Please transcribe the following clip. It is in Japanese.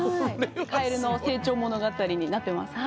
カエルの成長物語になってます。